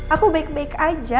aku baik baik aja